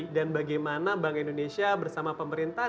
dan bagaimana bank indonesia bersama pemerintah